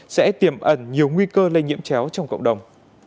sẽ tiềm ẩn nhiều nguy cơ lây nhiễm chéo trong cộng đồng